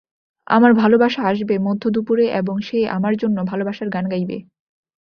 আমার ভালোবাসা আসবে মধ্য দুপুরে এবং সে আমার জন্য ভালবাসার গান গাইবে।